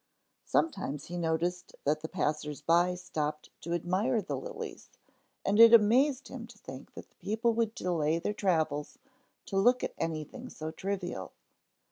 Sometimes he noticed that the passers by stopped to admire the lilies, and it amazed him to think that people would delay their travels to look at anything so trivial.